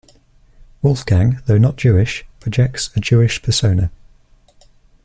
Wolfgang, though not Jewish, projects a Jewish persona.